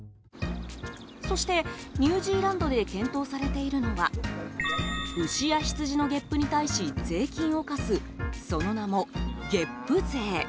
そして、ニュージーランドで検討されているのは牛や羊のげっぷに対し税金を課すその名も、げっぷ税。